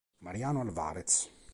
Mariano Álvarez